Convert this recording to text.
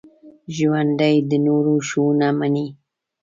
ژوندي د نورو ښوونه مني